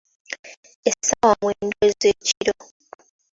Essaawa mwenda ez'ekiro